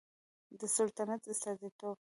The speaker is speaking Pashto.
د سلطنت استازیتوب